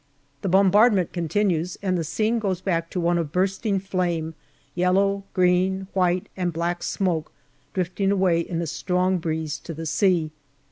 The bombardment continues, and the scene goes back to one of bursting flame, yellow, green, white, and black smoke drifting away in the strong breeze to the sea.